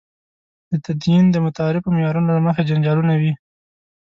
د تدین د متعارفو معیارونو له مخې جنجالونه وي.